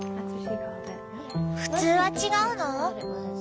普通は違うの？